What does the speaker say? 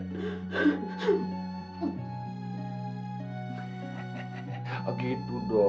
tidak mau mengikuti perintah gua